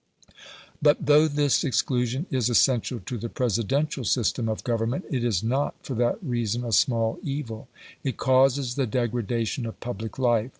But though this exclusion is essential to the Presidential system of government, it is not for that reason a small evil. It causes the degradation of public life.